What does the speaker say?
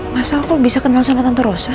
masa lo kok bisa kenal sama tante rose